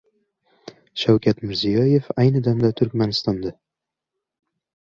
Shavkat Mirziyoyev ayni damda Turkmanistonda